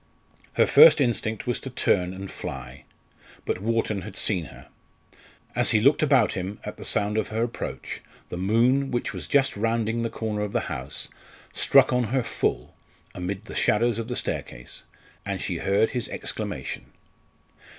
Her first instinct was to turn and fly. But Wharton had seen her. As he looked about him at the sound of her approach, the moon, which was just rounding the corner of the house, struck on her full, amid the shadows of the staircase, and she heard his exclamation.